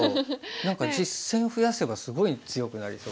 何か実戦増やせばすごい強くなりそうな感じ。